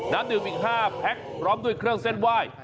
น้ำดื่มอีก๕แพ็คพร้อมด้วยเครื่องเส้นไหว้